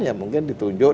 ya mungkin ditunjuk